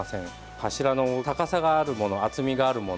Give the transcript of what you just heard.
柱の高さがあるもの厚みがあるもの